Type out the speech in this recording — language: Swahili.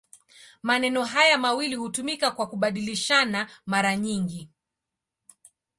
Maneno haya mawili hutumika kwa kubadilishana mara nyingi.